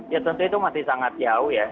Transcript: ya tentu itu masih sangat jauh ya